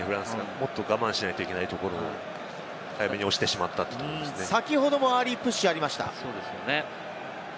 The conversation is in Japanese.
もっと我慢しなきゃいけないところを早めに先ほどもアーリープッシュありました。